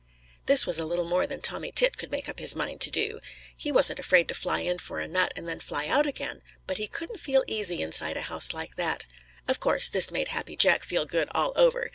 This was a little more than Tommy Tit could make up his mind to do. He wasn't afraid to fly in for a nut and then fly out again, but he couldn't feel easy inside a house like that. Of course, this made Happy Jack feel good all over.